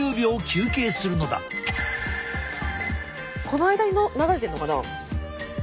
この間に流れてるのかな？